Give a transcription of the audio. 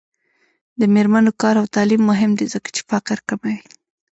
د میرمنو کار او تعلیم مهم دی ځکه چې فقر کموي.